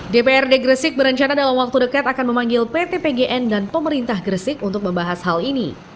dprd gresik berencana dalam waktu dekat akan memanggil pt pgn dan pemerintah gresik untuk membahas hal ini